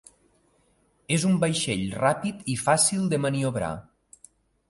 És un vaixell ràpid i fàcil de maniobrar.